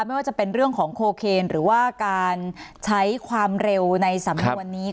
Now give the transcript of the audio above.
ไม่ว่าจะเป็นเรื่องของโคเคนหรือว่าการใช้ความเร็วในสำนวนนี้